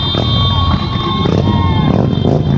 สวัสดีครับทุกคน